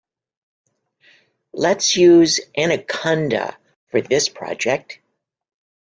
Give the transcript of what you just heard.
Let's use Anaconda for this project.